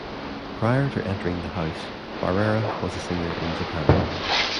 Prior to entering the house, Barrera was a singer in Japan.